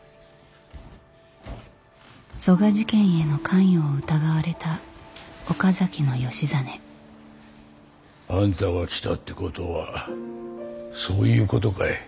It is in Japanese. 曽我事件への関与を疑われた岡崎義実。あんたが来たってことはそういうことかい。